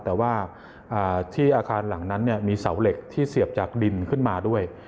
แต่ว่าที่อาคารหลังนั้นมีเสาเหล็กที่เสียบจากดินขึ้นมาด้วย